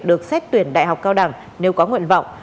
được xét tuyển đại học cao đẳng nếu có nguyện vọng